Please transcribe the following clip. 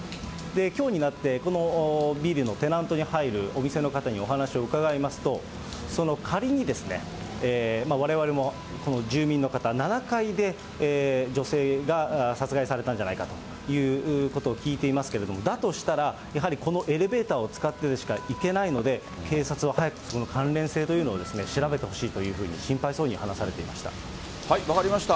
きょうになって、このビルのテナントに入るお店の方にお話を伺いますと、仮に、われわれもこの住民の方、７階で女性が殺害されたんじゃないかということを聞いていますけれども、だとしたら、やはりこのエレベーターを使ってでしか行けないので、警察は早くそこの関連性というのを調べてほしいというふうに心配分かりました。